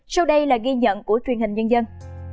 sau đây là ghi nhận của truyền hình nhân dân